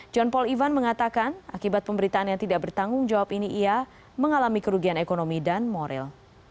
john paul ivan mengatakan akibat pemberitaan yang tidak bertanggung jawab ini ia mengalami kerugian ekonomi dan moral